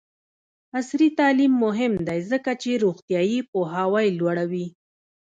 عصري تعلیم مهم دی ځکه چې روغتیایي پوهاوی لوړوي.